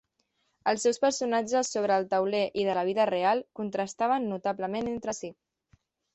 Els seus personatges sobre el tauler i de la vida real contrastaven notablement entre si.